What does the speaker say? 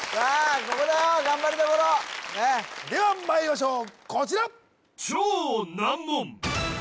ここだよ頑張りどころねえではまいりましょうこちら